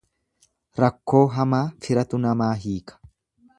Rakkoo hamaa firatu namaa hiika.